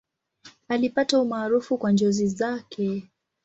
Alipata umaarufu kwa njozi zake.